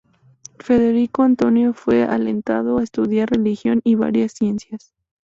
Federico Antonio fue alentado a estudiar religión y varias ciencias.